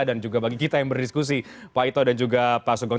dan juga bagi kita yang berdiskusi pak ito dan juga pak sugeng